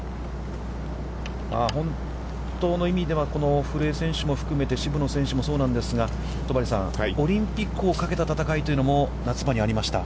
本当の意味では、古江選手も含めて、渋野選手もそうなんですが、戸張さん、オリンピックを懸けた戦いというのも夏場にありました。